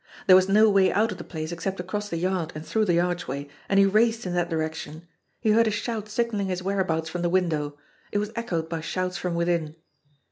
There was no way out of the place except across the yard and through the archway, and he raced in that direction. He heard a shout signalling his whereabouts from the window. It was echoed by shouts from within.